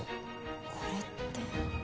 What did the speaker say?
これって。